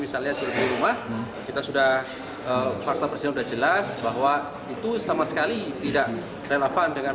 misalnya kita sudah fakta persidangan jelas bahwa itu sama sekali tidak relevan dengan